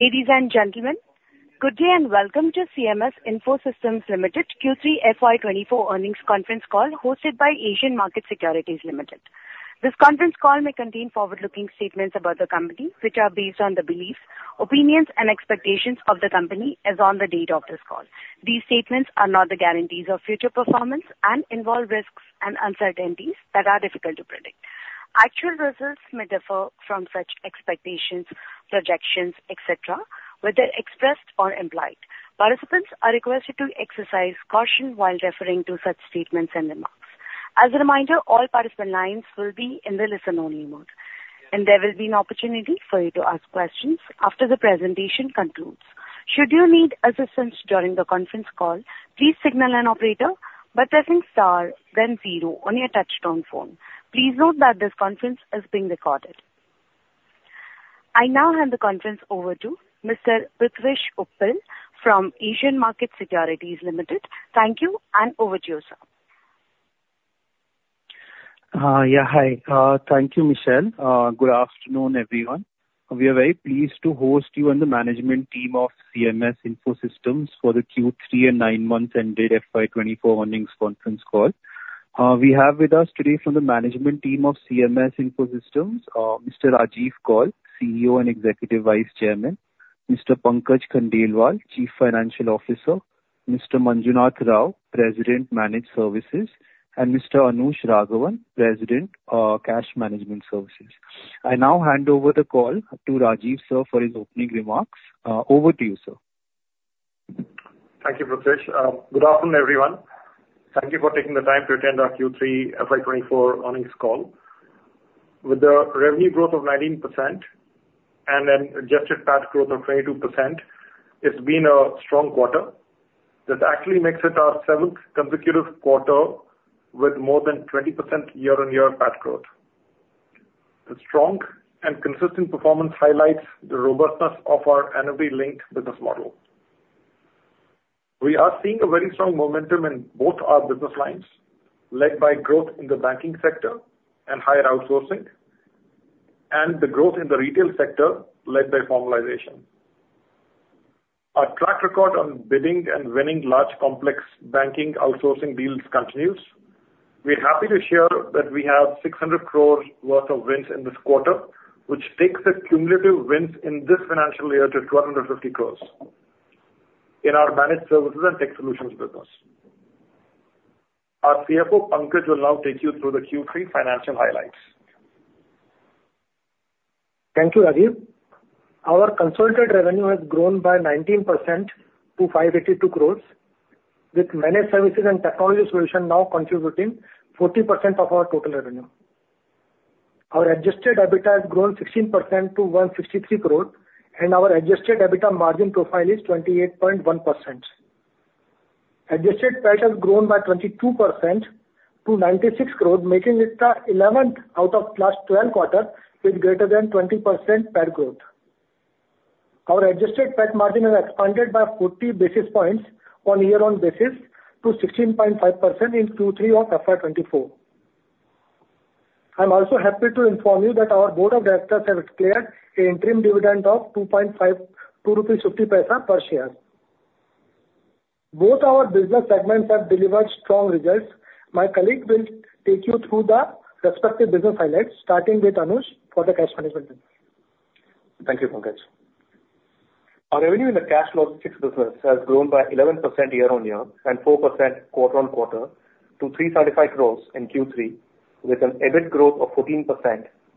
Ladies and gentlemen, good day and welcome to CMS Info Systems Limited third quarter FY 2024 earnings conference call, hosted by Asian Market Securities Limited. This conference call may contain forward-looking statements about the company, which are based on the beliefs, opinions, and expectations of the company as on the date of this call. These statements are not the guarantees of future performance and involve risks and uncertainties that are difficult to predict. Actual results may differ from such expectations, projections, et cetera, whether expressed or implied. Participants are requested to exercise caution while referring to such statements and remarks. As a reminder, all participant lines will be in the listen-only mode, and there will be an opportunity for you to ask questions after the presentation concludes. Should you need assistance during the conference call, please signal an operator by pressing star then zero on your touchtone phone. Please note that this conference is being recorded. I now hand the conference over to Mr. Prithvish Uppal from Asian Market Securities Limited. Thank you, and over to you, sir. Yeah, hi. Thank you, Michelle. Good afternoon, everyone. We are very pleased to host you, and the management team of CMS Info Systems for the third quarter and nine-month ended FY 2024 earnings conference call. We have with us today from the management team of CMS Info Systems, Mr. Rajiv Kaul, CEO and Executive Vice Chairman; Mr. Pankaj Khandelwal, Chief Financial Officer; Mr. Manjunath Rao, President, Managed Services; and Mr. Anush Raghavan, President, Cash Management Services. I now hand over the call to Rajiv, sir, for his opening remarks. Over to you, sir. Thank you, Pritesh. Good afternoon, everyone. Thank you for taking the time to attend our third quarter FY 2024 earnings call. With the revenue growth of 19% and an adjusted PAT growth of 22%, it's been a strong quarter. That actually makes it our seventh consecutive quarter with more than 20% year-on-year PAT growth. The strong and consistent performance highlights the robustness of our annuity-linked business model. We are seeing a very strong momentum in both our business lines, led by growth in the banking sector and higher outsourcing, and the growth in the retail sector, led by formalization. Our track record on bidding and winning large, complex banking outsourcing deals continues. We are happy to share that we have 600 crore worth of wins in this quarter, which takes the cumulative wins in this financial year to 1,250 crore in our managed services and tech solutions business. Our CFO, Pankaj, will now take you through the third quarter financial highlights. Thank you, Rajiv. Our consolidated revenue has grown by 19% to 582 crores, with managed services and technology solution now contributing 40% of our total revenue. Our adjusted EBITDA has grown 16% to 163 crores, and our adjusted EBITDA margin profile is 28.1%. Adjusted PAT has grown by 22% to 96 crores, making it the 11th out of last 12 quarters with greater than 20% PAT growth. Our adjusted PAT margin has expanded by 40 basis points on year-on-year basis to 16.5% in third quarter of FY 2024. I'm also happy to inform you that our Board of Directors have declared an interim dividend of 2.50 rupees per share. Both our business segments have delivered strong results. My colleague will take you through the respective business highlights, starting with Anush for the cash management. Thank you, Pankaj. Our revenue in the cash logistics business has grown by 11% year-on-year and 4% quarter-on-quarter to 335 crore in third quarter, with an EBIT growth of 14%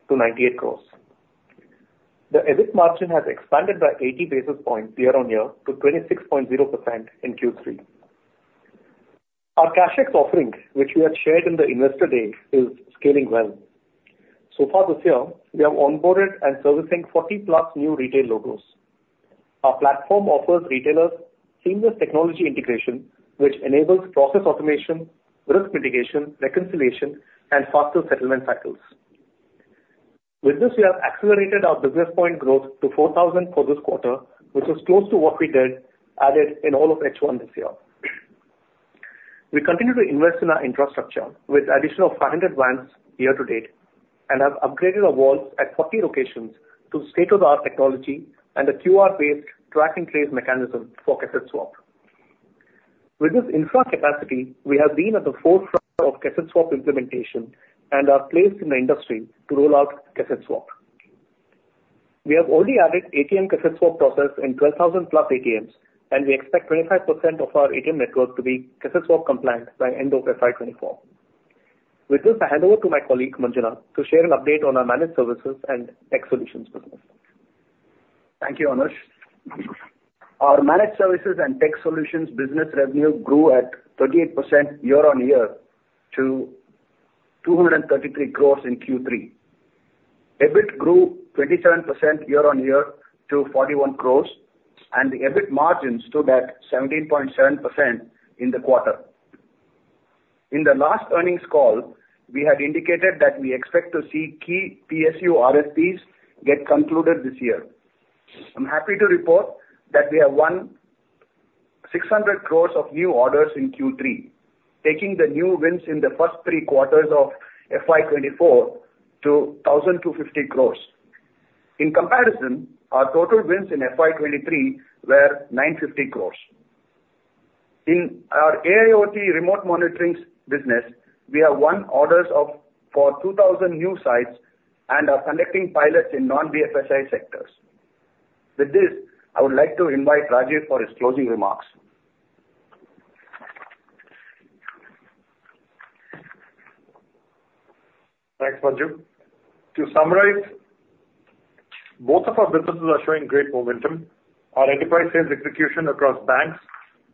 to 98 crore. The EBIT margin has expanded by 80 basis points year-on-year to 26.0% in third quarter. Our CashTech offerings, which we had shared in the Investor Day, is scaling well. So far this year, we have onboarded and servicing 40+ new retail logos. Our platform offers retailers seamless technology integration, which enables process automation, risk mitigation, reconciliation, and faster settlement cycles. With this, we have accelerated our business point growth to 4,000 for this quarter, which is close to what we did... Added in all of H1 this year. We continue to invest in our infrastructure with additional 500 vans year to date, and have upgraded our vaults at 40 locations to state-of-the-art technology and a QR-based track and trace mechanism for cassette swap. With this infra capacity, we have been at the forefront of cassette swap implementation and are placed in the industry to roll out cassette swap. We have already added ATM cassette swap process in 12,000+ ATMs, and we expect 25% of our ATM network to be cassette swap compliant by end of FY 2024. With this, I hand over to my colleague, Manjunath, to share an update on our managed services and tech solutions business. Thank you, Anush. Our managed services and tech solutions business revenue grew at 38% year-on-year to 233 crore in third quarter. EBIT grew 27% year-on-year to 41 crore, and the EBIT margin stood at 17.7% in the quarter. In the last earnings call, we had indicated that we expect to see key PSU RFPs get concluded this year. I'm happy to report that we have won- 600 crore of new orders in third quarter, taking the new wins in the first three quarters of FY 2024 to 1,250 crore. In comparison, our total wins in FY 2023 were 950 crore. In our AIoT remote monitoring business, we have won orders for 2,000 new sites and are conducting pilots in non-BFSI sectors. With this, I would like to invite Rajiv for his closing remarks. Thanks, Manju. To summarize, both of our businesses are showing great momentum. Our enterprise sales execution across banks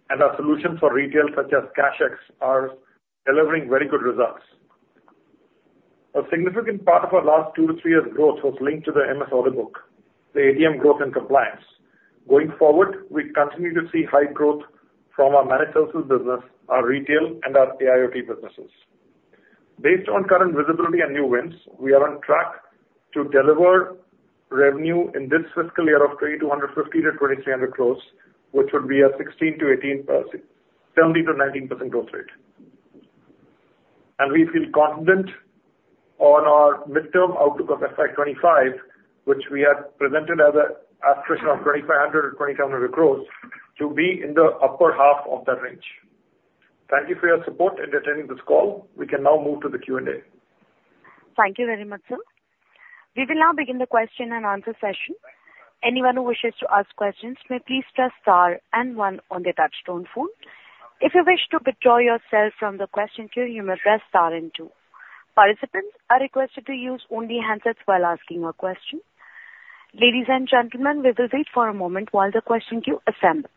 and our solutions for retail, such as CashTech, are delivering very good results. A significant part of our last two to three years' growth was linked to the MS order book, the ATM growth and compliance. Going forward, we continue to see high growth from our managed services business, our retail and our AIoT businesses. Based on current visibility and new wins, we are on track to deliver revenue in this fiscal year of 2,300 crore to 3,250 crore, which would be a 16% to 18%, 17% to 19% growth rate. We feel confident on our midterm outlook of FY 2025, which we had presented as an aspiration of 2,500 crore or 2,700 crore, to be in the upper half of that range. Thank you for your support in attending this call. We can now move to the Q&A. Thank you very much, sir. We will now begin the question and answer session. Anyone who wishes to ask questions, may please press star and one on their touchtone phone. If you wish to withdraw yourself from the question queue, you may press star and two. Participants are requested to use only handsets while asking a question. Ladies and gentlemen, we will wait for a moment while the question queue assembles.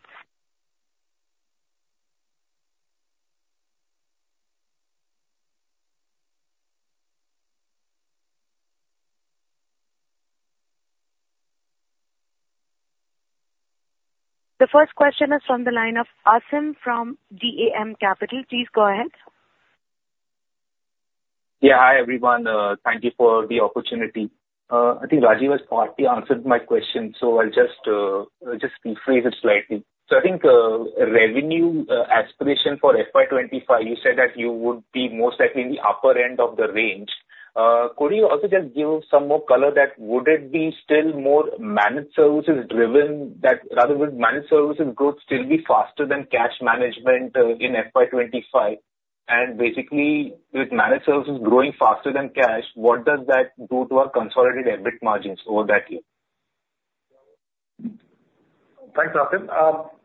The first question is from the line of Aasim from DAM Capital. Please go ahead. Yeah. Hi, everyone. Thank you for the opportunity. I think Rajiv has partly answered my question, so I'll just, just rephrase it slightly. So I think, revenue, aspiration for FY 2025, you said that you would be most likely in the upper end of the range. Could you also just give some more color that would it be still more managed services driven, that rather with managed services growth still be faster than cash management, in FY 2025? And basically, with managed services growing faster than cash, what does that do to our consolidated EBIT margins over that year? Thanks, Aasim.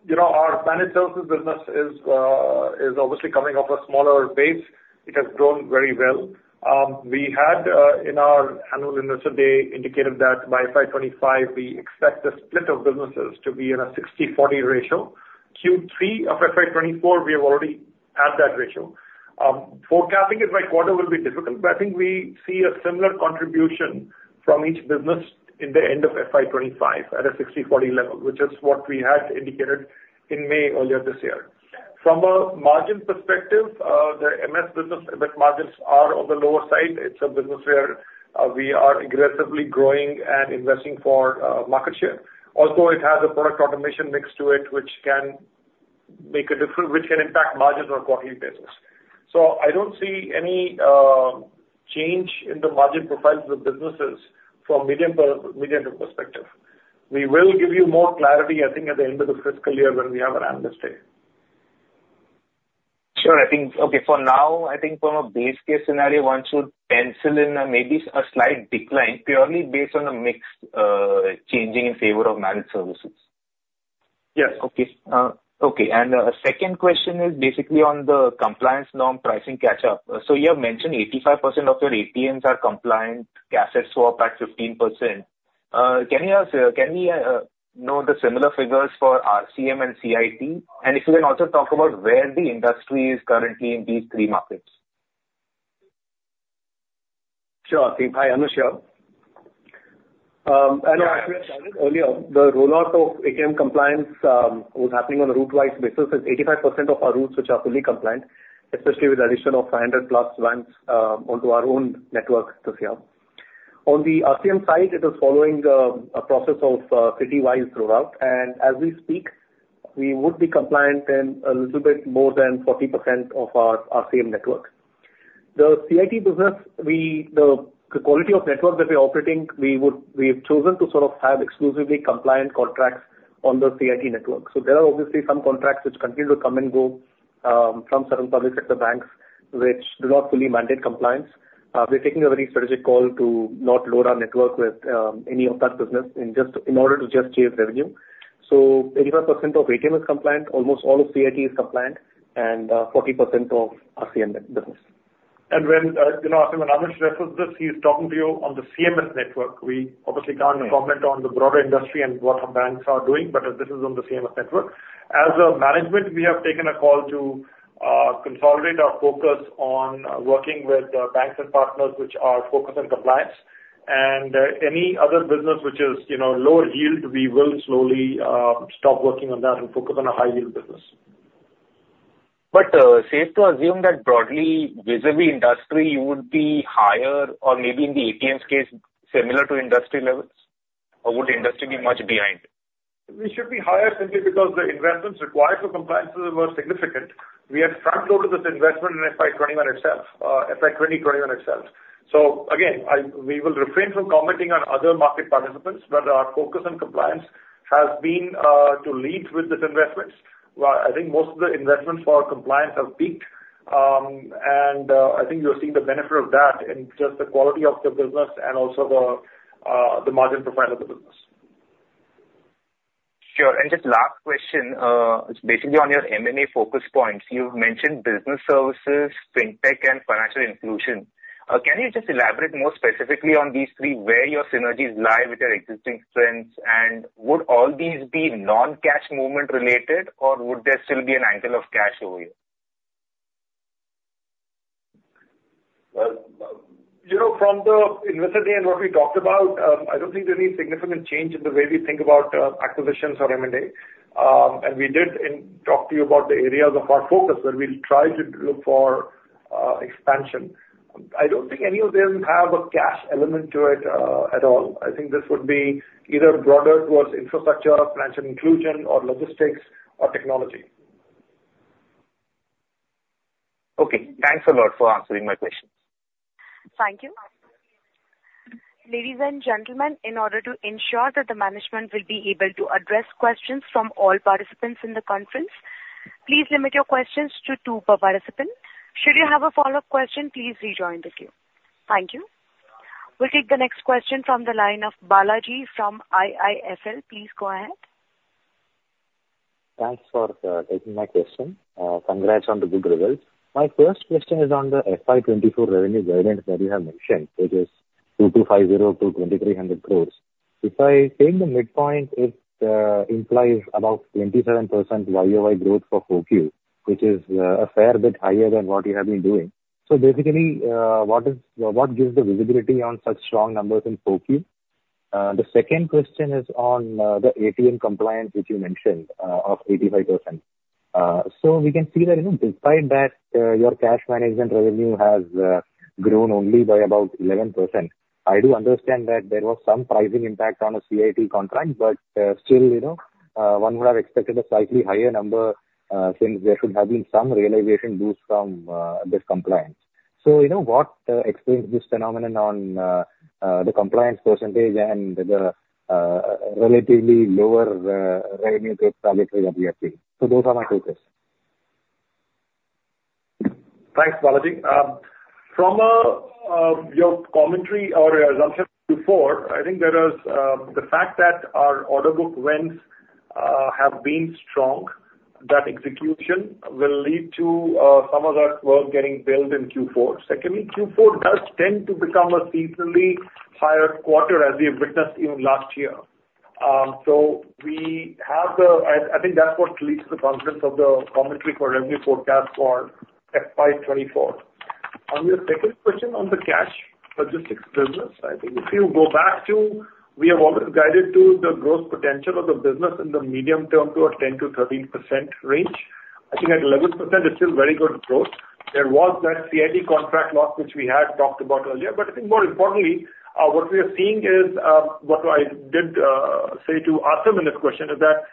You know, our managed services business is obviously coming off a smaller base. It has grown very well. We had, in our annual investor day, indicated that by FY 2025, we expect the split of businesses to be in a 60/40 ratio. third quarter of FY 2024, we are already at that ratio. Forecasting it by quarter will be difficult, but I think we see a similar contribution from each business in the end of FY 2025 at a 60/40 level, which is what we had indicated in May earlier this year. From a margin perspective, the MS business EBIT margins are on the lower side. It's a business where we are aggressively growing and investing for market share. Also, it has a product automation mix to it, which can impact margins on a quarterly basis. So I don't see any change in the margin profiles of the businesses from a medium-term perspective. We will give you more clarity, I think, at the end of the fiscal year when we have our analyst day. Sure. I think... Okay, for now, I think from a base case scenario, one should pencil in, maybe a slight decline purely based on a mix, changing in favor of managed services. Yes. Okay. Okay, and a second question is basically on the compliance norm pricing catch-up. So you have mentioned 85% of your ATMs are compliant, cassette swap at 15%. Can you also, can we know the similar figures for RCM and CIT? And if you can also talk about where the industry is currently in these three markets. Sure thing. Hi, Anush here. And as I said earlier, the rollout of ATM compliance was happening on a route-wise basis, with 85% of our routes which are fully compliant, especially with the addition of 500+ banks onto our own network this year. On the RCM side, it is following a process of city-wide rollout, and as we speak, we would be compliant in a little bit more than 40% of our RCM network. The CIT business, the quality of network that we're operating, we've chosen to sort of have exclusively compliant contracts on the CIT network. So there are obviously some contracts which continue to come and go from certain public sector banks, which do not fully mandate compliance. We're taking a very strategic call to not load our network with any of that business in order to just chase revenue. So 85% of ATM is compliant, almost all of CIT is compliant, and 40% of RCM business. When, you knowa, Aasim, when Anush references this, he's talking to you on the CMS network. We obviously can't comment... Yes. -on the broader industry and what the banks are doing, but this is on the CMS network. As a management, we have taken a call to consolidate our focus on working with banks and partners which are focused on compliance, and any other business which is, you know, lower yield, we will slowly stop working on that and focus on the high-yield business. But, safe to assume that broadly, vis-à-vis industry, you would be higher or maybe in the ATMs case, similar to industry levels? Or would industry be much behind? We should be higher simply because the investments required for compliances were significant. We have front-loaded this investment in FY 2021 itself, FY 2020, 2021 itself. So again, I, we will refrain from commenting on other market participants, but our focus on compliance has been, to lead with these investments. Well, I think most of the investments for our compliance have peaked. And I think you'll see the benefit of that in just the quality of the business and also the margin profile of the business. Sure. And just last question, is basically on your M&A focus points. You've mentioned business services, fintech and financial inclusion. Can you just elaborate more specifically on these three, where your synergies lie with your existing strengths? And would all these be non-cash movement related, or would there still be an angle of cash over here? Well, you know, from the Investor Day and what we talked about, I don't think there's any significant change in the way we think about acquisitions or M&A. And we did talk to you about the areas of our focus where we'll try to look for expansion. I don't think any of them have a cash element to it at all. I think this would be either broader towards infrastructure or financial inclusion or logistics or technology. Okay. Thanks a lot for answering my questions. Thank you. Ladies and gentlemen, in order to ensure that the management will be able to address questions from all participants in the conference, please limit your questions to two per participant. Should you have a follow-up question, please rejoin the queue. Thank you. We'll take the next question from the line of Balaji from IIFL. Please go ahead. Thanks for taking my question. Congrats on the good results. My first question is on the FY 2024 revenue guidance that you have mentioned, which is 250 to 2,300 crores. If I take the midpoint, it implies about 27% YOY growth for 4Q, which is a fair bit higher than what you have been doing. So basically, what is... What gives the visibility on such strong numbers in 4Q? The second question is on the ATM compliance, which you mentioned, of 85%. So we can see that, you know, despite that, your cash management revenue has grown only by about 11%. I do understand that there was some pricing impact on a CIT contract, but, still, you know, one would have expected a slightly higher number, since there should have been some realization boost from this compliance. So, you know, what explains this phenomenon on the compliance percentage and the relatively lower revenue profitability of the ATM? So those are my two questions. Thanks, Balaji. From a, your commentary or assumption before, I think there is, the fact that our order book wins, have been strong, that execution will lead to, some of that work getting billed in fourth quarter. Secondly, fourth quarter does tend to become a seasonally higher quarter, as we have witnessed even last year. So we have I, I think that's what leads the confidence of the commentary for revenue forecast for FY 2024. On your second question on the cash logistics business, I think if you go back to, we have always guided to the growth potential of the business in the medium term to a 10% to 13% range. I think at 11% it's still very good growth. There was that CIT contract loss, which we had talked about earlier. But I think more importantly, what we are seeing is, what I did say to Aasim in the question, is that,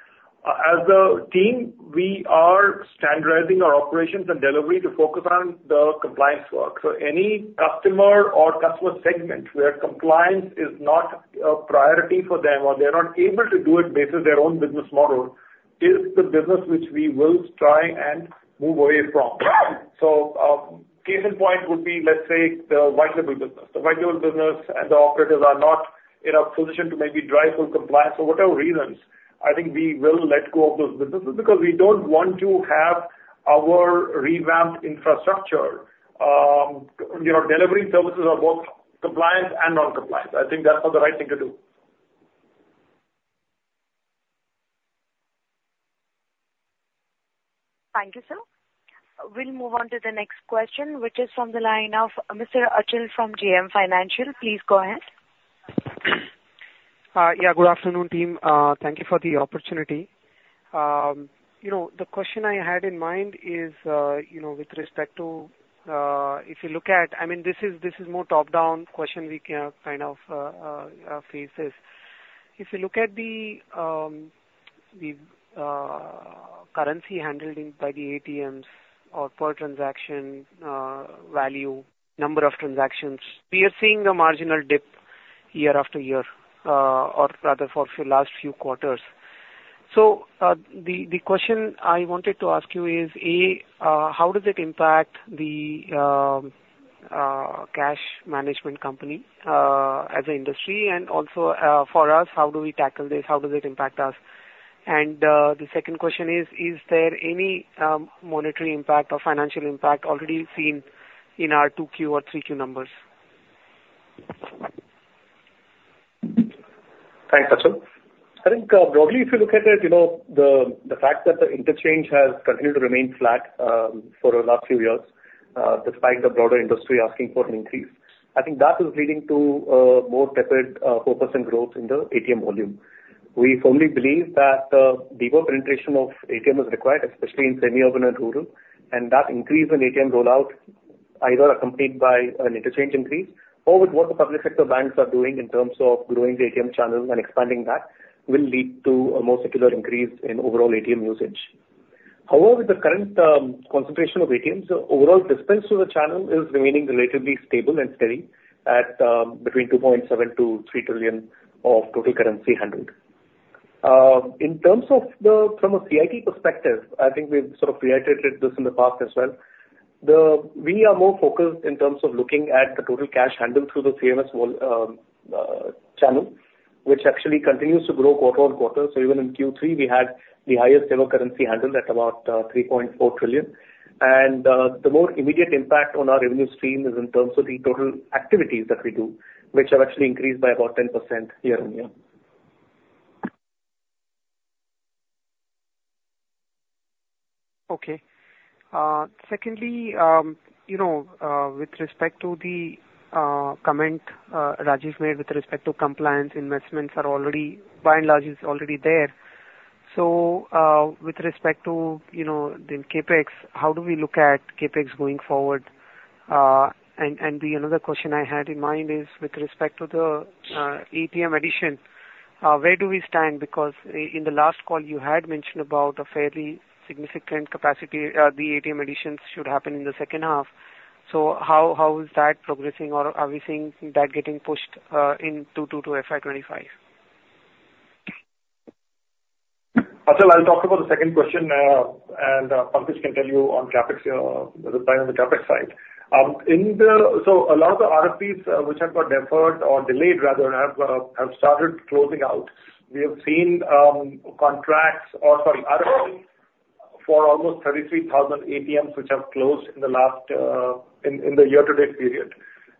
as a team, we are standardizing our operations and delivery to focus on the compliance work. So any customer or customer segment where compliance is not a priority for them or they are not able to do it based on their own business model, is the business which we will try and move away from. So, case in point would be, let's say, the white label business. The white label business and the operators are not in a position to maybe drive full compliance for whatever reasons. I think we will let go of those businesses because we don't want to have our revamped infrastructure, you know, delivering services on both compliance and non-compliance. I think that's not the right thing to do. Thank you, sir. We'll move on to the next question, which is from the line of Mr. Achal from JM Financial. Please go ahead. Yeah, good afternoon, team. Thank you for the opportunity. You know, the question I had in mind is, you know, with respect to if you look at... I mean, this is more top-down question we can kind of faces. If you look at the currency handling by the ATMs or per transaction value, number of transactions, we are seeing a marginal dip year after year, or rather for few last few quarters. So, the question I wanted to ask you is, A, how does it impact the cash management company as an industry? And also, for us, how do we tackle this? How does it impact us? The second question is, is there any monetary impact or financial impact already seen in our 2Q or 3Q numbers? Thanks, Achal. I think, broadly, if you look at it, you know, the fact that the interchange has continued to remain flat, for the last few years, despite the broader industry asking for an increase. I think that is leading to, more tapered, four percent growth in the ATM volume. We firmly believe that, deeper penetration of ATM is required, especially in semi-urban and rural, and that increase in ATM rollout either accompanied by an interchange increase or with what the public sector banks are doing in terms of growing the ATM channels and expanding that, will lead to a more secular increase in overall ATM usage. However, with the current, concentration of ATMs, the overall dispense to the channel is remaining relatively stable and steady at, between 2.7 to 3 trillion of total currency handled. In terms of the, from a CIT perspective, I think we've sort of reiterated this in the past as well. We are more focused in terms of looking at the total cash handled through the CMS wall channel, which actually continues to grow quarter-on-quarter. So even in third quarter, we had the highest ever currency handled at about 3.4 trillion. And, the more immediate impact on our revenue stream is in terms of the total activities that we do, which have actually increased by about 10% year-on-year. Okay. Secondly, you know, with respect to the comment Rajiv made with respect to compliance, investments are already by and large is already there. So, with respect to, you know, the CapEx, how do we look at CapEx going forward? And another question I had in mind is with respect to the ATM addition, where do we stand? Because in the last call, you had mentioned about a fairly significant capacity, the ATM additions should happen in the second half. So how is that progressing, or are we seeing that getting pushed into two to FY 2025? Achal, I'll talk about the second question, and Pankaj can tell you on CapEx, the plan on the CapEx side. In the... So a lot of the RFPs, which have got deferred or delayed rather, have started closing out. We have seen, contracts or sorry, RFPs for almost 33,000 ATMs, which have closed in the last, in, in the year-to-date period.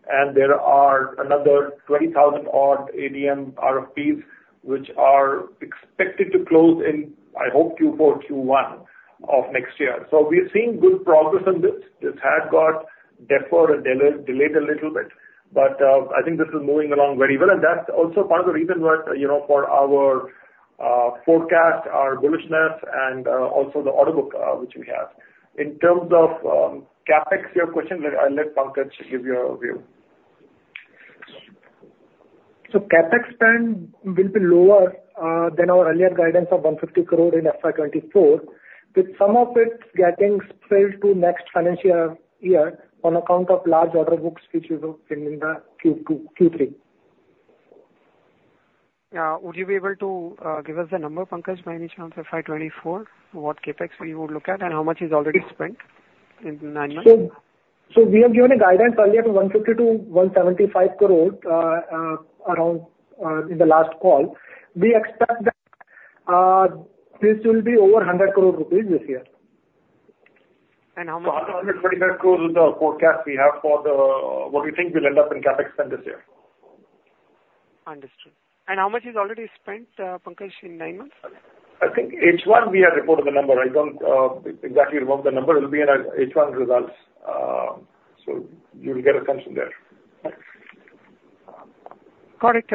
And there are another 20,000 odd ATM RFPs, which are expected to close in, I hope, fourth quarter, first quarter of next year. So we are seeing good progress on this. This had got deferred and delayed a little bit, but, I think this is moving along very well. And that's also part of the reason why, you know, for our, forecast, our bullishness and, also the order book, which we have. In terms of CapEx, your question, I'll let Pankaj give you our view. So CapEx spend will be lower than our earlier guidance of 150 crore in FY 2024, with some of it getting spilled to next financial year, year on account of large order books which we book in the second quarter, third quarter. Would you be able to give us the number, Pankaj, by any chance, for FY 2024, what CapEx we would look at and how much is already spent in nine months? So we have given a guidance earlier from 150 crore-175 crore, around, in the last call. We expect that this will be over 100 crore rupees this year. How much- 100 crore-125 crore is the forecast we have for the, what we think we'll end up in CapEx spend this year. Understood. And how much is already spent, Pankaj, in nine months? I think H1 we have reported the number. I don't exactly recall what the number. It'll be in our H1 results. So you will get it from there. Got it.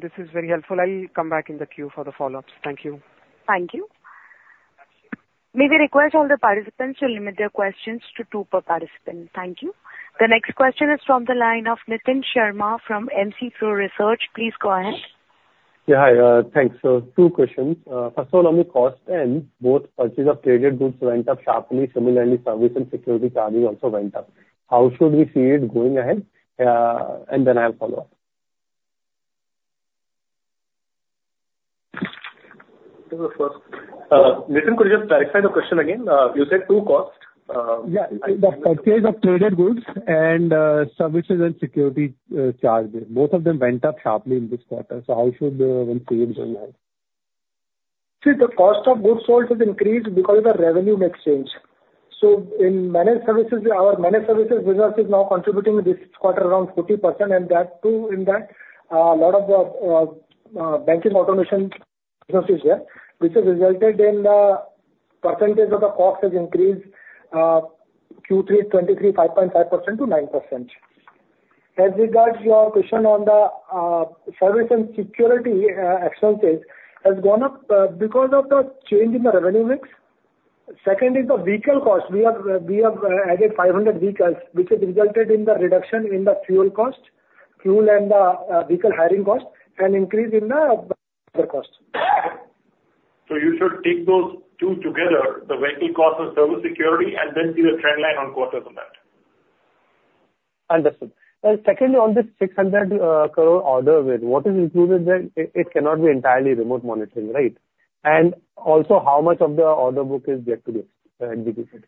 This is very helpful. I'll come back in the queue for the follow-ups. Thank you. Thank you. May we request all the participants to limit their questions to two per participant? Thank you. The next question is from the line of Nitin Sharma from Emkay Research. Please go ahead. Yeah, hi, thanks. So two questions. First of all, on the cost end, both purchase of traded goods went up sharply. Similarly, service and security guarding also went up. How should we see it going ahead? And then I'll follow up. So first, Nitin, could you just clarify the question again? You said two costs. Yeah, the purchase of traded goods and services and security charging. Both of them went up sharply in this quarter, so how should one see it going ahead? See, the cost of goods sold has increased because of the revenue mix change. So in managed services, our managed services business is now contributing this quarter around 40%, and that too, in that, lot of the banking automation business is there, which has resulted in the percentage of the cost has increased, third quarter 2023, 5.5% to 9%. As regards your question on the service and security expenses has gone up because of the change in the revenue mix. Second is the vehicle cost. We have added 500 vehicles, which has resulted in the reduction in the fuel cost, fuel and vehicle hiring cost and increase in the other costs. You should take those two together, the vehicle cost and service security, and then see the trend line on quarters on that. Understood. Secondly, on this 600 crore order with, what is included there? It, it cannot be entirely remote monitoring, right? And also, how much of the order book is yet to be executed?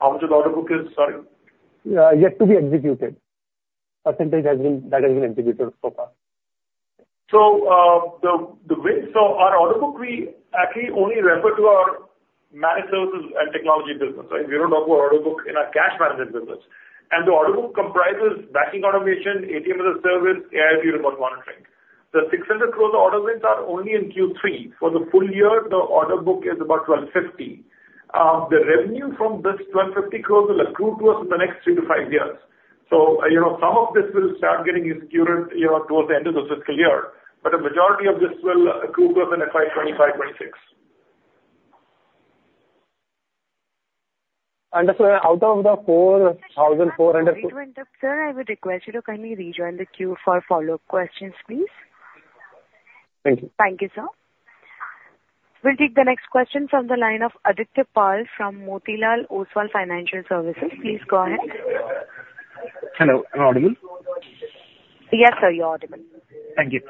How much of the order book is, sorry? Yet to be executed. Percentage has been, that has been executed so far. So, our order book, we actually only refer to our managed services and technology business, right? We don't talk about order book in our cash management business. And the order book comprises banking automation, ATM as a service, AI and remote monitoring. The 600 crore order wins are only in third quarter. For the full year, the order book is about 1,250 crore. The revenue from this 1,250 crore will accrue to us in the next three to five years. So, you know, some of this will start getting in current year towards the end of the fiscal year, but a majority of this will accrue to us in FY 2025, 2026. Understood. Out of the 4,400. Sir, I would request you to kindly rejoin the queue for follow-up questions, please. Thank you. Thank you, sir. We'll take the next question from the line of Aditya Pal from Motilal Oswal Financial Services. Please go ahead. Hello, am I audible? Yes, sir, you're audible. Thank you.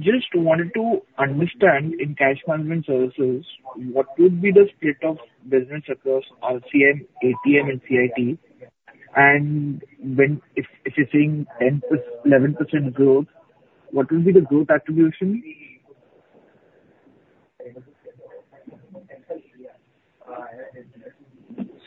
Just wanted to understand, in cash management services, what would be the split of business across RCM, ATM, and CIT? And when, if you're seeing 10%, 11% growth, what will be the growth attribution?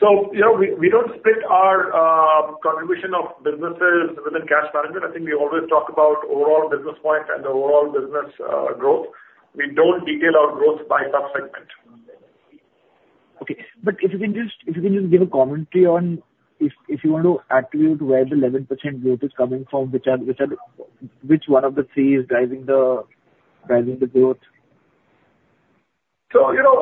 You know, we don't split our contribution of businesses within cash management. I think we always talk about overall business point and overall business growth. We don't detail our growth by sub-segment. Okay. But if you can just give a commentary on if you want to attribute where the 11% growth is coming from, which one of the three is driving the growth? So, you know,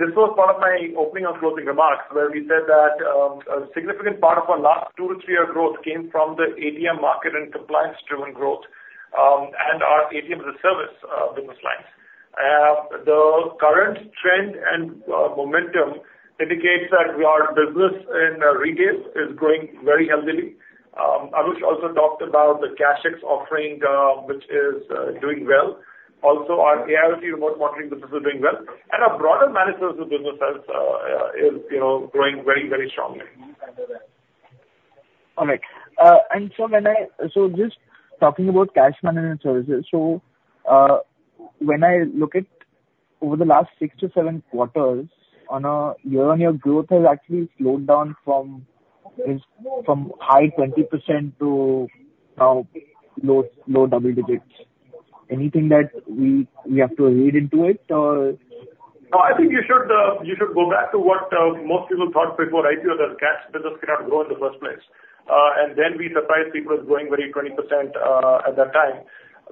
this was part of my opening and closing remarks, where we said that, a significant part of our last two to three-year growth came from the ATM market and compliance-driven growth, and our ATM-as-a-service business lines. The current trend and momentum indicates that our business in retail is growing very healthy. Anush also talked about the CashTech offering, which is doing well. Also, our AIoT remote monitoring business is doing well, and our broader managed businesses is, you know, growing very, very strongly. All right. And so when I... So just talking about cash management services. So, when I look at over the last six to seven quarters, on a year-on-year growth has actually slowed down from high 20% to now low double digits. Anything that we have to read into it, or? No, I think you should go back to what most people thought before IPO, that cash business cannot grow in the first place. And then we surprised people growing very 20%, at that time.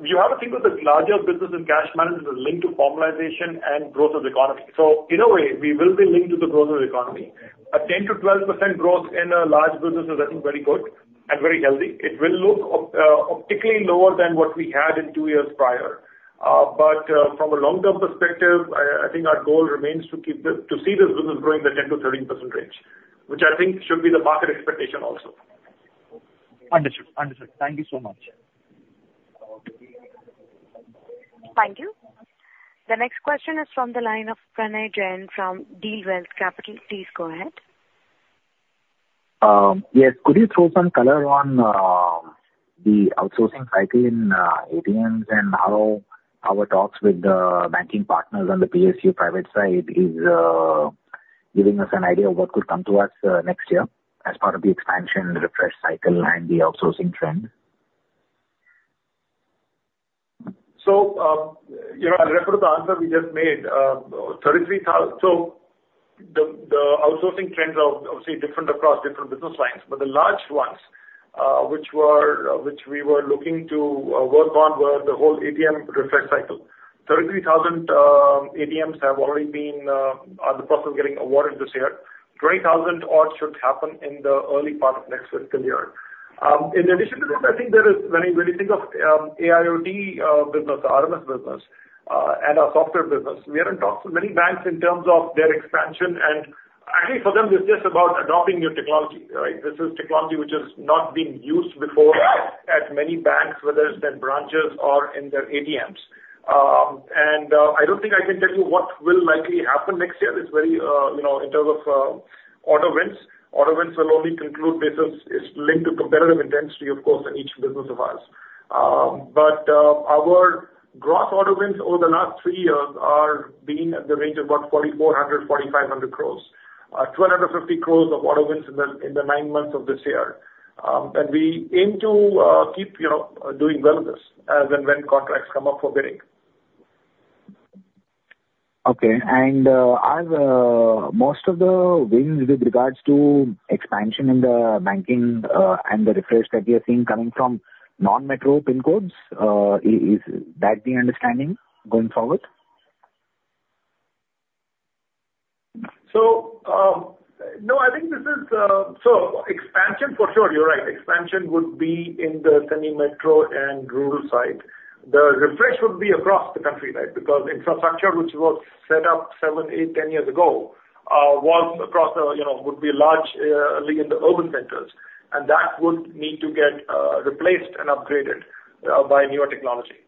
You have to think of the larger business in cash management is linked to formalization and growth of the economy. So in a way, we will be linked to the growth of the economy. A 10% to 12% growth in a large business is, I think, very good and very healthy. It will look optically lower than what we had in two years prior. But, from a long-term perspective, I, I think our goal remains to keep to see this business grow in the 10% to 13% range, which I think should be the market expectation also. Understood. Understood. Thank you so much. Thank you. The next question is from the line of Pranay Jain from Dealwealth Capital. Please go ahead. Yes. Could you throw some color on the outsourcing cycle in ATMs, and how our talks with the banking partners on the PSU private side is giving us an idea of what could come to us next year as part of the expansion refresh cycle and the outsourcing trend? So, you know, I'll refer to the answer we just made. So the outsourcing trends are obviously different across different business lines, but the large ones, which were, which we were looking to work on were the whole ATM refresh cycle. 33,000 ATMs have already been are in the process of getting awarded this year. 20,000 ought to happen in the early part of next fiscal year. In addition to this, I think there is, when you, when you think of, AIoT business, RMS business, and our software business, we are in talks with many banks in terms of their expansion, and actually for them, it's just about adopting new technology, right? This is technology which has not been used before at many banks, whether it's their branches or in their ATMs. I don't think I can tell you what will likely happen next year. It's very, you know, in terms of order wins. Order wins will only conclude business is linked to competitive intensity, of course, in each business of ours. But our gross order wins over the last three years are being at the range of about 4,400-4,500 crores. 250 crores of order wins in the nine months of this year. And we aim to keep, you know, doing well in this when contracts come up for bidding. Okay. And, are most of the wins with regards to expansion in the banking and the refresh that we are seeing coming from non-metro PIN codes, is that the understanding going forward? No, expansion, for sure, you're right. Expansion would be in the semi-metro and rural side. The refresh would be across the country, right? Because infrastructure, which was set up seven, eight, 10 years ago, was across the, you know, would be large only in the urban centers, and that would need to get replaced and upgraded by newer technology.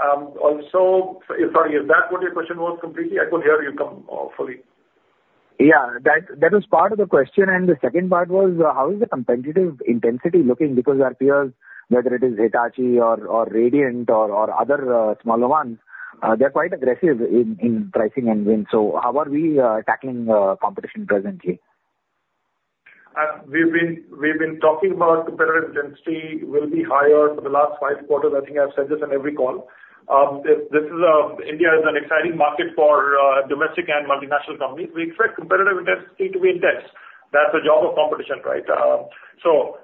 Also, sorry, is that what your question was completely? I couldn't hear you completely. Yeah, that, that was part of the question. And the second part was, how is the competitive intensity looking? Because our peers, whether it is Hitachi or, or Radiant or, or other, smaller ones, they're quite aggressive in, in pricing and wins. So how are we, tackling, competition presently? And we've been talking about competitive density will be higher for the last 5 quarters. I think I've said this on every call. This is India is an exciting market for domestic and multinational companies. We expect competitive density to be intense. That's the job of competition, right? So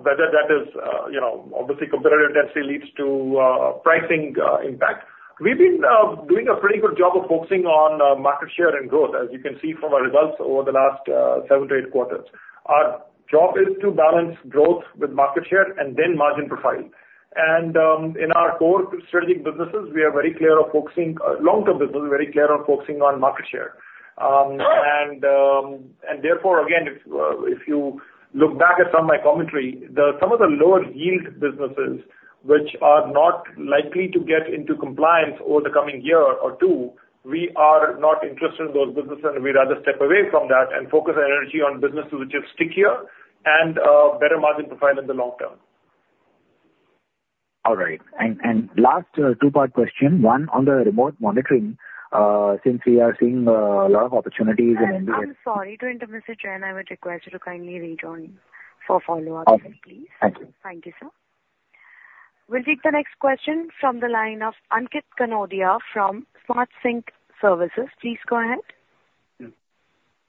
whether that is you know obviously competitive density leads to pricing impact. We've been doing a pretty good job of focusing on market share and growth, as you can see from our results over the last seven to eight quarters. Our job is to balance growth with market share and then margin profile. And in our core strategic businesses, we are very clear of focusing long-term business, we're very clear on focusing on market share. And therefore, again, if you look back at some of my commentary, some of the lower yield businesses, which are not likely to get into compliance over the coming year or two, we are not interested in those businesses, and we'd rather step away from that and focus our energy on businesses which are stickier and better margin profile in the long term. All right. And last, two-part question: one, on the remote monitoring, since we are seeing a lot of opportunities in India- I'm sorry to interrupt, Mr. Chair, and I would request you to kindly rejoin for follow-up, please. Thank you. Thank you, sir. We'll take the next question from the line of Ankit Kanodia from SmartSync Services. Please go ahead.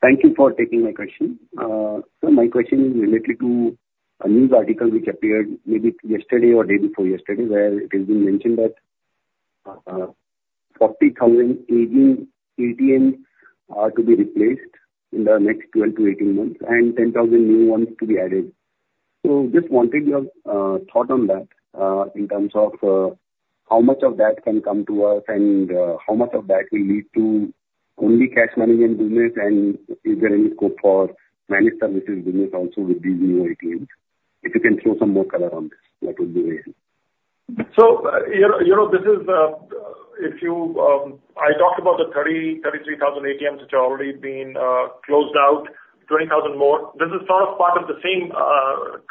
Thank you for taking my question. So my question is related to a news article which appeared maybe yesterday or day before yesterday, where it has been mentioned that, 40,000 aging ATMs are to be replaced in the next 12 to 18 months and 10,000 new ones to be added. So just wanted your thought on that, in terms of, how much of that can come to us and, how much of that will lead to only cash management business, and is there any scope for managed services business also with these new ATMs? If you can throw some more color on this, that would be very helpful. So, you know, you know, this is, if you... I talked about the 33,000 ATMs which have already been closed out, 20,000 more. This is sort of part of the same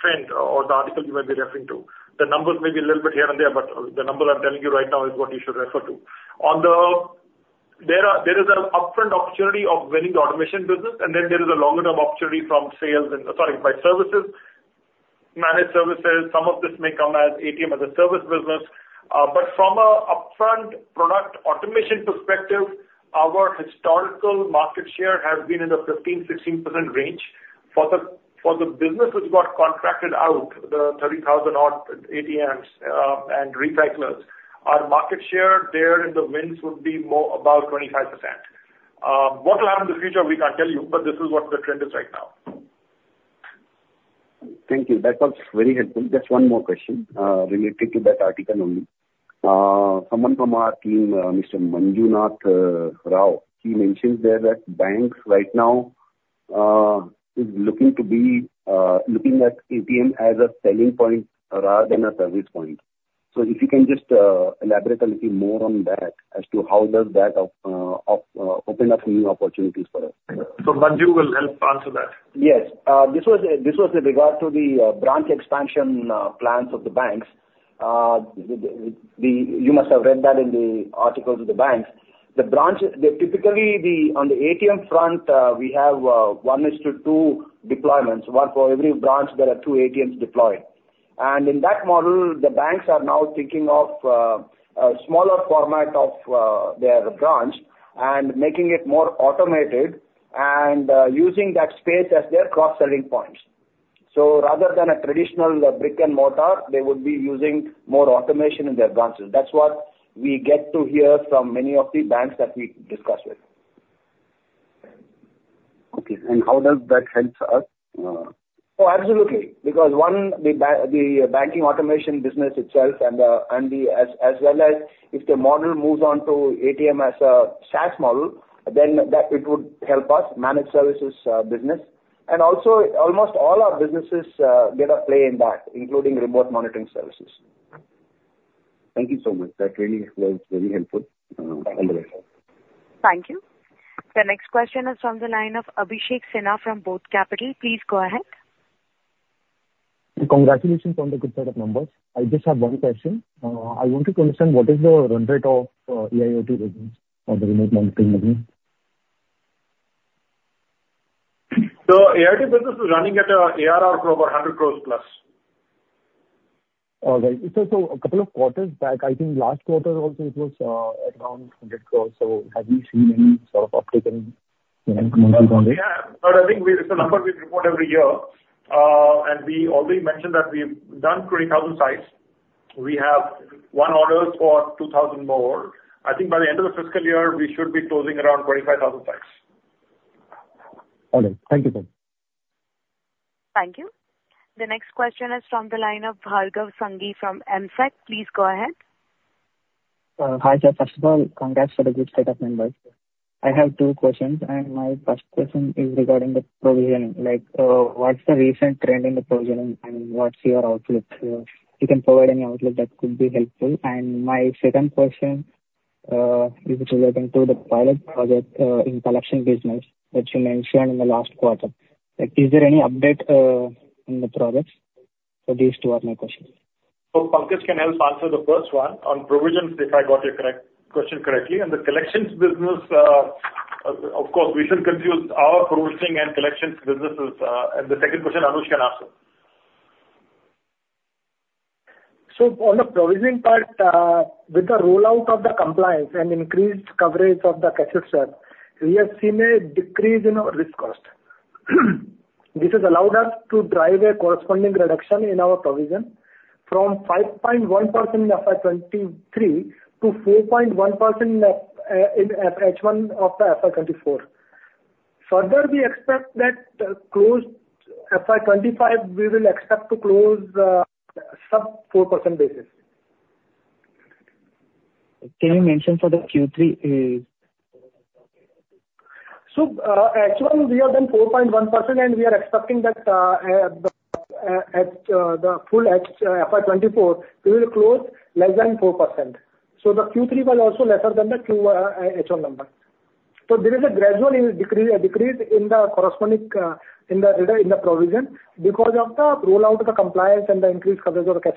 trend or the article you might be referring to. The numbers may be a little bit here and there, but the number I'm telling you right now is what you should refer to. There is a upfront opportunity of winning the automation business, and then there is a longer-term opportunity from sales and, sorry, by services, managed services. Some of this may come as ATM, as a service business. But from a upfront product automation perspective, our historical market share has been in the 15% to 16% range. For the business which got contracted out, the 30,000 odd ATMs and recyclers, our market share there in the wins would be more about 25%. What will happen in the future, we can't tell you, but this is what the trend is right now. Thank you. That was very helpful. Just one more question, related to that article only. Someone from our team, Mr. Manjunath Rao, he mentioned there that banks right now is looking at ATM as a selling point rather than a service point. So if you can just elaborate a little more on that as to how does that open up new opportunities for us? Manju will help answer that. Yes. This was, this was with regard to the branch expansion plans of the banks. You must have read that in the articles of the banks. Typically, on the ATM front, we have one to two deployments. One for every branch, there are two ATMs deployed. And in that model, the banks are now thinking of a smaller format of their branch and making it more automated and using that space as their cross-selling points. So rather than a traditional brick-and-mortar, they would be using more automation in their branches. That's what we get to hear from many of the banks that we discuss with. Okay, how does that help us? Oh, absolutely. Because, one, the banking automation business itself and as well as if the model moves on to ATM-as-a-Service model, then it would help us managed services business. And also, almost all our businesses get a play in that, including remote monitoring services. Thank you so much. That really was very helpful, on the matter. Thank you. The next question is from the line of Abhishek Sinha from BOB Capital Markets. Please go ahead. Congratulations on the good set of numbers. I just have one question. I want to understand what is the run rate of, AIoT business or the remote monitoring business? AIoT business is running at ARR of over 100 crore plus. All right. It was a couple of quarters back, I think last quarter also it was, around 100 crore. So have you seen any sort of uptick in, you know, month-on-month? We have, but I think we, it's a number we report every year. And we already mentioned that we've done 20,000 sites. We have won orders for 2,000 more. I think by the end of the fiscal year, we should be closing around 45,000 sites. All right. Thank you, sir. Thank you. The next question is from the line of Bhargav Sanghvi from Asian Market Securities. Please go ahead. Hi, sir. First of all, congrats for the good set of numbers. I have two questions, and my first question is regarding the provisioning. Like, what's the recent trend in the provisioning, and what's your outlook? If you can provide any outlook, that could be helpful. And my second question is relating to the pilot project in collection business that you mentioned in the last quarter. Like, is there any update on the progress? These two are my questions. So Pankaj can help answer the first one on provisions, if I got your question correctly. And the collections business, of course, we should not confuse our provisioning and collections businesses. And the second question, Anuj can answer. So on the provisioning part, with the rollout of the compliance and increased coverage of the, we have seen a decrease in our risk cost. This has allowed us to drive a corresponding reduction in our provision from 5.1% in FY 2023 to 4.1% in H1 of FY 2024. Further, we expect that close FY 2025, we will expect to close sub 4% basis. Can you mention for the third quarter? So, H1, we have done 4.1%, and we are expecting that at the full FY 2024, we will close less than 4%. So the third quarter was also lesser than the 1H number. So there is a gradual decrease in the corresponding provision because of the rollout of the compliance and the increased coverage. Okay.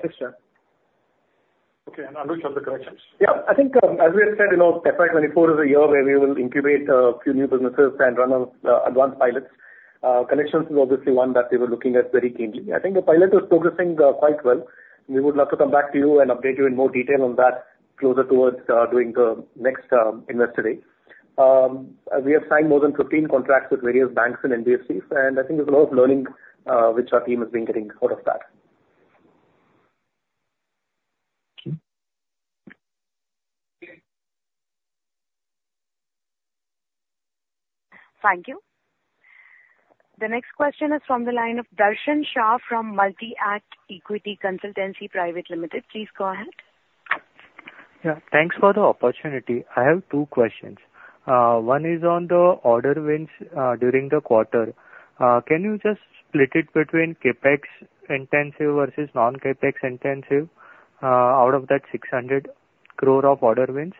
And Anuj, on the collections. Yeah, I think, as we said, you know, FY 2024 is a year where we will incubate few new businesses and run on advanced pilots. Collections is obviously one that we were looking at very keenly. I think the pilot is progressing quite well. We would love to come back to you and update you in more detail on that closer towards during the next investor day. We have signed more than 15 contracts with various banks and NBFCs, and I think there's a lot of learning which our team has been getting out of that. Thank you. Thank you. The next question is from the line of Darshan Shah from Multi Act Equity Consultancy Private Limited. Please go ahead. Yeah, thanks for the opportunity. I have two questions. One is on the order wins during the quarter. Can you just split it between CapEx intensive versus non-CapEx intensive out of that 600 crore of order wins?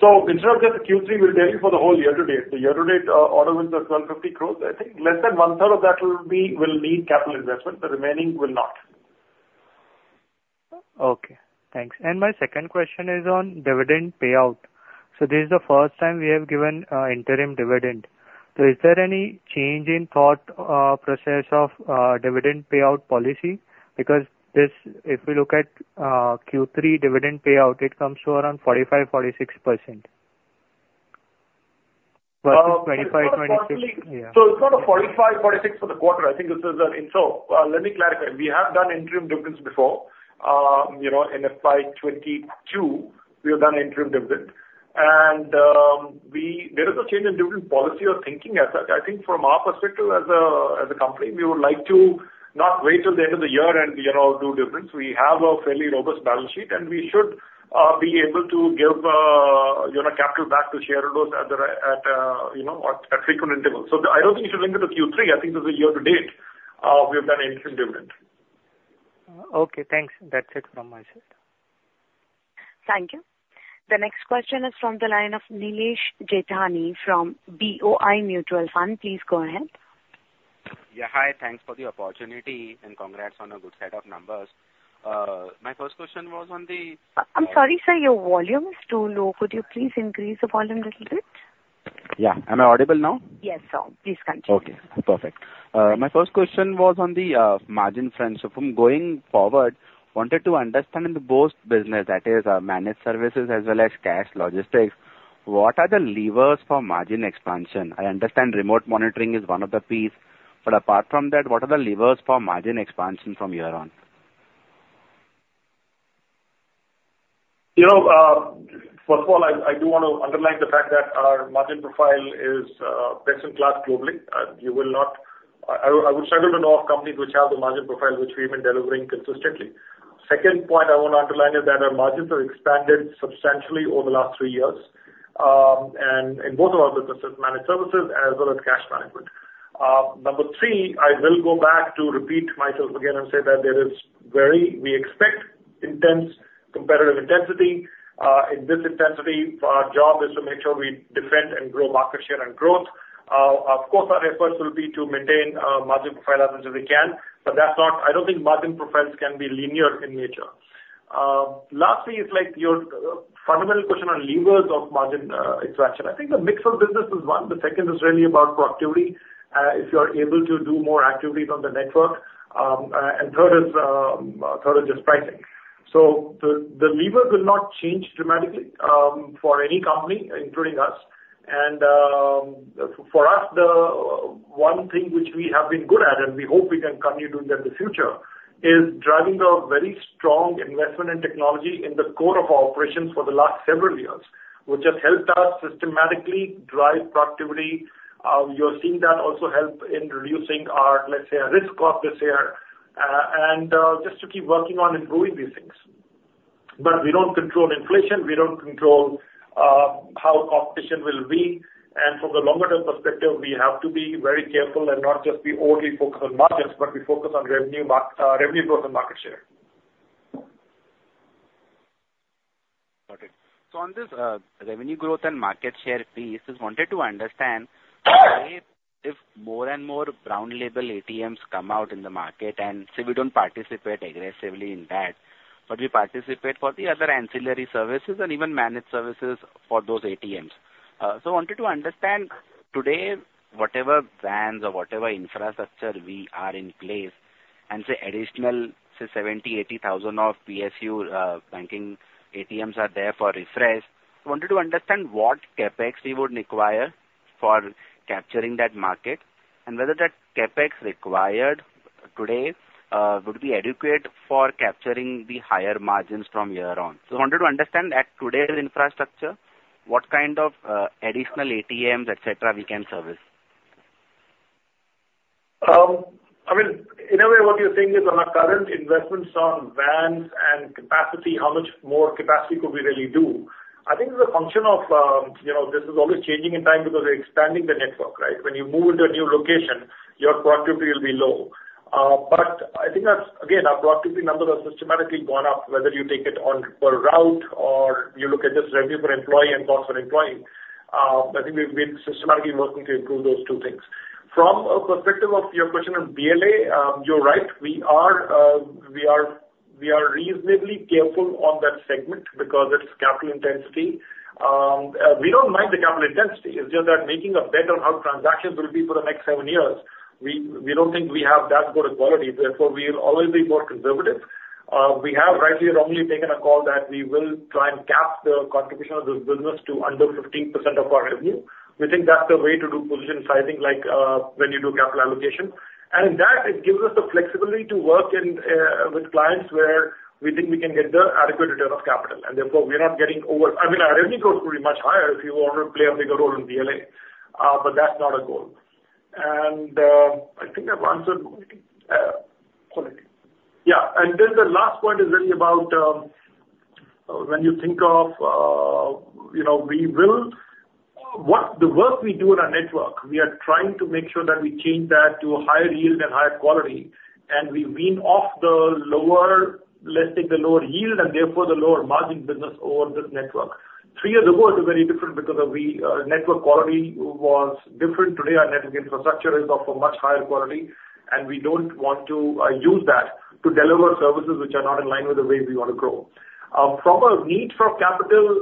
So in terms of the third quarter, we tell you for the whole year to date. The year to date, order wins are 1,250 crore. I think less than one third of that will be, will need capital investment, the remaining will not. Okay, thanks. And my second question is on dividend payout. So this is the first time we have given interim dividend. So is there any change in thought process of dividend payout policy? Because this, if we look at third quarter dividend payout, it comes to around 45% to 46%. Versus 25% to 26%. So it's not a 45% to 46% for the quarter. I think this is an... So, let me clarify. We have done interim dividends before. You know, in FY 2022, we have done interim dividend. And, we, there is a change in dividend policy or thinking as such. I think from our perspective as a, as a company, we would like to not wait till the end of the year and, you know, do dividends. We have a fairly robust balance sheet, and we should be able to give, you know, capital back to shareholders at the at, you know, at, at frequent intervals. So I don't think you should link it to third quarter. I think this is year to date, we have done interim dividend. Okay, thanks. That's it from my side. Thank you. The next question is from the line of Nilesh Jethani from BOI Mutual Fund. Please go ahead. Yeah, hi, thanks for the opportunity and congrats on a good set of numbers. My first question was on the- I'm sorry, sir, your volume is too low. Could you please increase the volume a little bit? Yeah. Am I audible now? Yes, sir. Please continue. Okay, perfect. My first question was on the margin front. So from going forward, wanted to understand in both business, that is, managed services as well as cash logistics, what are the levers for margin expansion? I understand remote monitoring is one of the piece, but apart from that, what are the levers for margin expansion from here on? You know, first of all, I do want to underline the fact that our margin profile is best-in-class globally. You will not... I would struggle to know of companies which have the margin profile which we've been delivering consistently. Second point I want to underline is that our margins have expanded substantially over the last three years, and in both of our businesses, managed services as well as cash management. Number three, I will go back to repeat myself again and say that there is very, we expect intense competitive intensity. In this intensity, our job is to make sure we defend and grow market share and growth. Of course, our efforts will be to maintain margin profile as much as we can, but that's not, I don't think margin profiles can be linear in nature. Lastly, it's like your fundamental question on levers of margin expansion. I think the mix of business is one. The second is really about productivity, if you are able to do more activities on the network, and third is just pricing. So the lever will not change dramatically for any company, including us. And for us, the one thing which we have been good at, and we hope we can continue to do that in the future, is driving a very strong investment in technology in the core of our operations for the last several years, which has helped us systematically drive productivity. You're seeing that also help in reducing our, let's say, our risk of this year, and just to keep working on improving these things. But we don't control inflation, we don't control how competition will be, and from the longer-term perspective, we have to be very careful and not just be only focused on margins, but we focus on revenue growth and market share. So on this, revenue growth and market share piece, just wanted to understand, if more and more Brown Label ATMs come out in the market and say, we don't participate aggressively in that, but we participate for the other ancillary services and even managed services for those ATMs. So wanted to understand, today, whatever vans or whatever infrastructure we are in place and say additional, say, 70,000 to 80,000 of PSU banking ATMs are there for refresh. I wanted to understand what CapEx we would require for capturing that market and whether that CapEx required today would be adequate for capturing the higher margins from here on. So I wanted to understand at today's infrastructure, what kind of additional ATMs, et cetera, we can service? I mean, in a way, what you're saying is on our current investments on vans and capacity, how much more capacity could we really do? I think it's a function of, you know, this is always changing in time because we're expanding the network, right? When you move into a new location, your productivity will be low. But I think that's, again, our productivity numbers have systematically gone up, whether you take it on per route or you look at just revenue per employee and cost per employee. I think we've been systematically working to improve those two things. From a perspective of your question on BLA, you're right, we are reasonably careful on that segment because it's capital intensity. We don't mind the capital intensity, it's just that making a bet on how transactions will be for the next seven years, we, we don't think we have that good a quality, therefore, we will always be more conservative. We have rightly or wrongly, taken a call that we will try and cap the contribution of this business to under 15% of our revenue. We think that's the way to do position sizing, like, when you do capital allocation. And that it gives us the flexibility to work in, with clients where we think we can get the adequate return of capital, and therefore, we are not getting over... I mean, our revenue could be much higher if you want to play a bigger role in BLA, but that's not our goal. And, I think I've answered correctly. Yeah, and then the last point is really about, when you think of, you know, the work we do in our network, we are trying to make sure that we change that to a higher yield and higher quality, and we wean off the lower, let's say, the lower yield, and therefore, the lower margin business over this network. Three years ago, it was very different because we, network quality was different. Today, our network infrastructure is of a much higher quality, and we don't want to, use that to deliver services which are not in line with the way we want to grow. From a need for capital,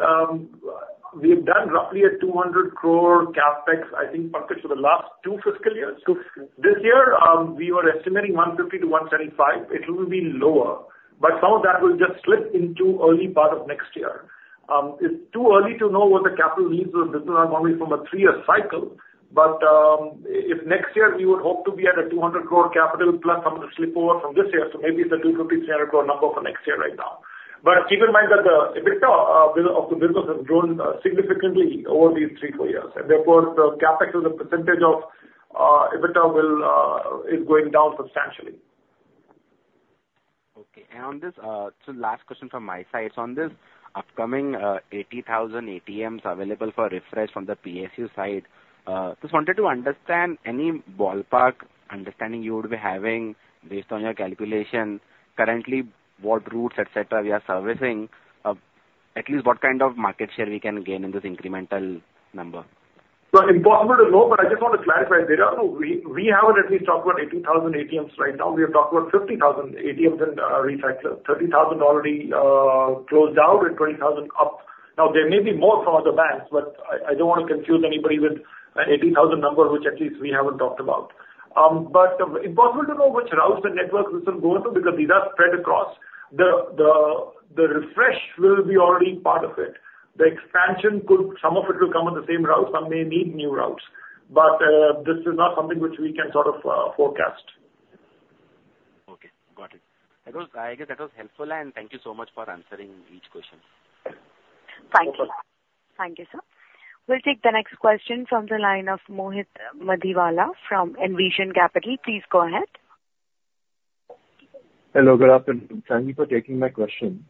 we've done roughly 200 crore CapEx, I think, Pankaj, for the last two fiscal years. This year, we were estimating 150 crore-175 crore. It will be lower, but some of that will just slip into early part of next year. It's too early to know what the capital needs of this are, normally from a three-year cycle. But, if next year you would hope to be at a 200 crore capital, plus some of the slip over from this year, so maybe it's a 250-300 crore number for next year right now. But keep in mind that the EBITDA of the business has grown significantly over these three, four years, and therefore, the CapEx as a percentage of EBITDA will, is going down substantially. Okay. And on this, so last question from my side. So on this upcoming, 80,000 ATMs available for refresh from the PSU side, just wanted to understand any ballpark understanding you would be having based on your calculation. Currently, what routes, et cetera, we are servicing, at least what kind of market share we can gain in this incremental number? Impossible to know, but I just want to clarify, Vidya, we haven't at least talked about 80,000 ATMs right now. We have talked about 50,000 ATMs and of which 30,000 already closed down and 20,000 up. Now, there may be more from other banks, but I don't want to confuse anybody with an 80,000 number, which at least we haven't talked about. But impossible to know which routes in the network this will go into, because these are spread across. The refresh will be already part of it. The expansion could, some of it will come on the same route, some may need new routes, but this is not something which we can sort of forecast. Okay, got it. That was, I guess that was helpful, and thank you so much for answering each question. Thank you. Thank you, sir. We'll take the next question from the line of Mohit Madhiwalla from Envision Capital. Please go ahead. Hello, good afternoon. Thank you for taking my question.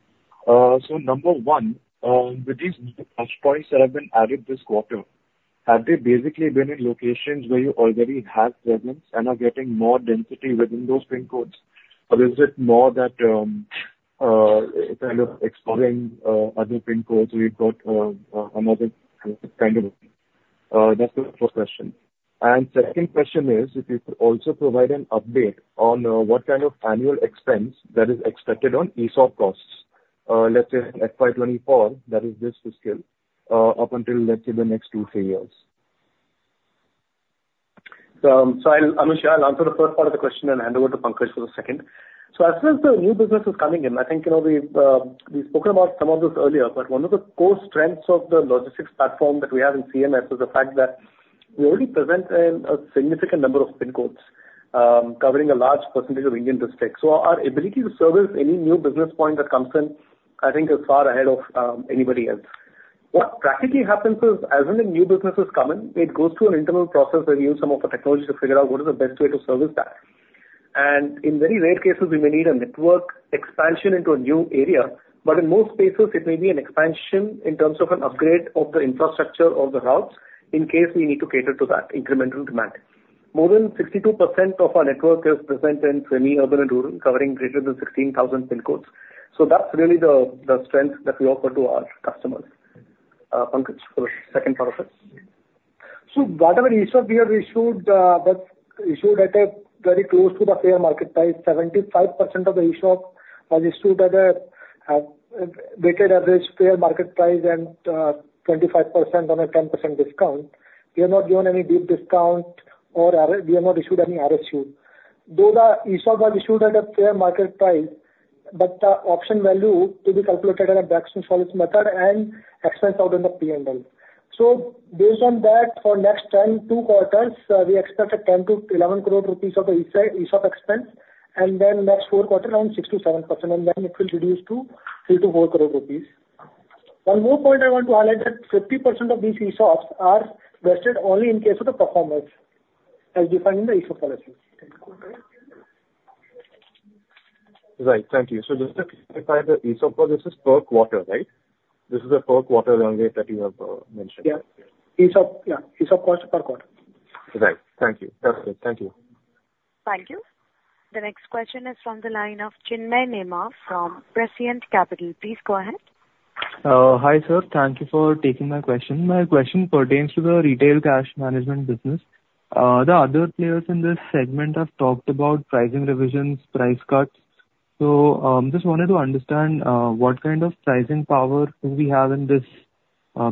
So number one, with these new touchpoints that have been added this quarter, have they basically been in locations where you already have presence and are getting more density within those pin codes? Or is it more that, kind of exploring, other pin codes where you've got, another kind of... That's the first question. And second question is, if you could also provide an update on, what kind of annual expense that is expected on ESOP costs, let's say, at 2024, that is this fiscal, up until, let's say, the next two, three years. So I'll, I'm not sure I'll answer the first part of the question and hand over to Pankaj for the second. So as far as the new business is coming in, I think, you know, we've, we've spoken about some of this earlier, but one of the core strengths of the logistics platform that we have in CMS is the fact that we already present in a significant number of pin codes, covering a large percentage of Indian districts. So our ability to service any new business point that comes in, I think, is far ahead of, anybody else. What practically happens is, as when the new business is coming, it goes through an internal process where we use some of the technology to figure out what is the best way to service that. In very rare cases, we may need a network expansion into a new area, but in most cases, it may be an expansion in terms of an upgrade of the infrastructure or the routes, in case we need to cater to that incremental demand. More than 62% of our network is present in semi-urban and rural, covering greater than 16,000 pin codes. So that's really the strength that we offer to our customers. Pankaj, for second part of it? So whatever ESOP we have issued, that's issued at a very close to the fair market price. 75% of the ESOP was issued at a weighted average fair market price, and 25% on a 10% discount. We have not given any big discount or we have not issued any RSU. Though the ESOP was issued at a fair market price, but the option value to be calculated on a Black-Scholes method and expense out in the P&L. So based on that, for next two quarters, we expect 10 to 11 crore of ESOP expense, and then next four quarters, around six to seven crore, and then it will reduce to INR three to four crore. One more point I want to highlight, that 50% of these ESOPs are vested only in case of the performance, as defined in the ESOP policy. Right. Thank you. So just to clarify, the ESOP policy is per quarter, right? This is a per quarter only that you have mentioned. Yeah. ESOP, yeah, ESOP cost per quarter. Right. Thank you. That's it. Thank you. Thank you. The next question is from the line of Chinmay Nema from Prescient Capital. Please go ahead. Hi, sir. Thank you for taking my question. My question pertains to the retail cash management business. The other players in this segment have talked about pricing revisions, price cuts. So, just wanted to understand, what kind of pricing power do we have in this,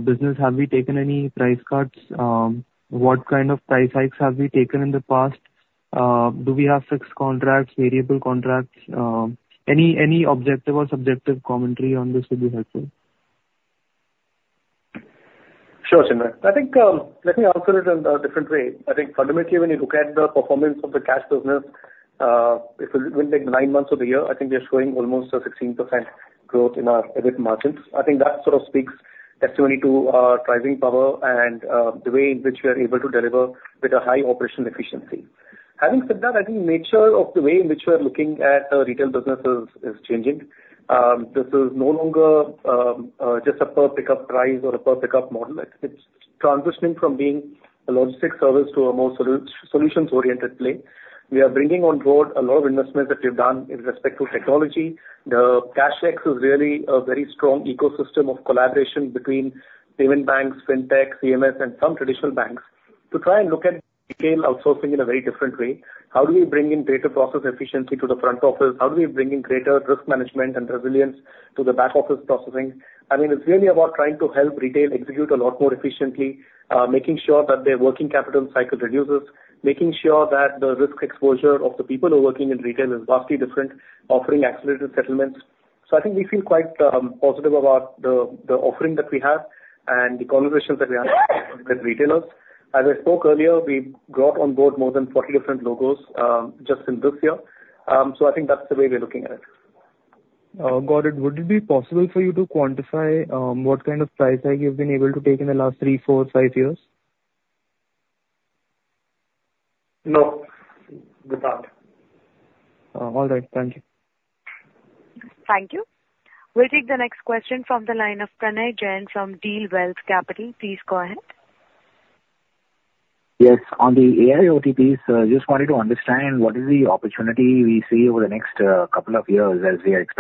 business? Have we taken any price cuts? What kind of price hikes have we taken in the past? Do we have fixed contracts, variable contracts? Any objective or subjective commentary on this would be helpful. Sure, Chinmay. I think, let me answer it in a different way. I think fundamentally, when you look at the performance of the cash business, if we take nine months of the year, I think we are showing almost a 16% growth in our EBIT margins. I think that sort of speaks testimony to our pricing power and, the way in which we are able to deliver with a high operational efficiency. Having said that, I think nature of the way in which we are looking at our retail business is changing. This is no longer just a per pickup price or a per pickup model. It's transitioning from being a logistics service to a more solutions-oriented play. We are bringing on board a lot of investments that we've done in respect to technology. The CashTech is really a very strong ecosystem of collaboration between payment banks, fintech, CMS, and some traditional banks, to try and look at retail outsourcing in a very different way. How do we bring in greater process efficiency to the front office? How do we bring in greater risk management and resilience to the back office processing? I mean, it's really about trying to help retail execute a lot more efficiently, making sure that their working capital cycle reduces, making sure that the risk exposure of the people who are working in retail is vastly different, offering accelerated settlements. So I think we feel quite positive about the offering that we have and the conversations that we have with retailers. As I spoke earlier, we brought on board more than 40 different logos just in this year.I think that's the way we're looking at it. Gaurav, would it be possible for you to quantify what kind of price hike you've been able to take in the last three, four, five years? No, good thought. All right. Thank you. Thank you. We'll take the next question from the line of Pranay Jain from Dealwealth Capital. Please go ahead. Yes, on the AIoTs, just wanted to understand what is the opportunity we see over the next couple of years as AI-